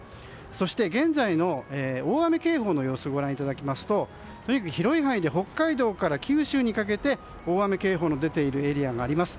そして現在の大雨警報の様子をご覧いただきますととにかく広い範囲で北海道から九州にかけて大雨警報の出ているエリアがあります。